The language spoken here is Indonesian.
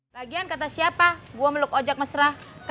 lagian kata siapa gue meluk ojek mesra